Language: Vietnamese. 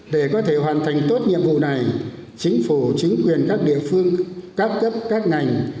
để có thể hoàn thành tốt nhiệm vụ này chính phủ chính quyền các địa phương các cấp các ngành